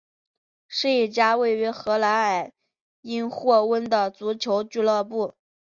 是一家位于荷兰埃因霍温的足球俱乐部。